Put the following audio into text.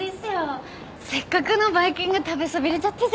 せっかくのバイキング食べそびれちゃったじゃないですか。